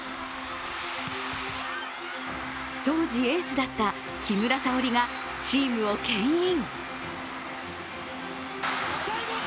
当時、エースだった木村沙織がチームをけん引。